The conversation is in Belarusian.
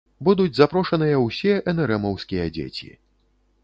Будуць запрошаныя ўсе энэрэмаўскія дзеці.